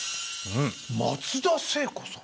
松田聖子さん。